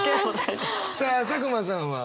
さあ佐久間さんは。